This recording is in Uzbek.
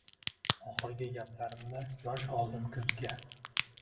Oxirgi gaplarimda yosh oldim kuzga